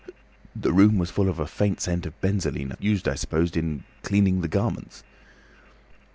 The room was full of a faint scent of benzoline, used, I suppose, in cleaning the garments.